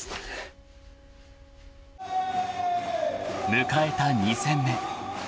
［迎えた２戦目］